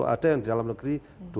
ada yang di dalam negeri dua ratus